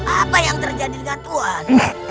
apa yang terjadi dengan tuhan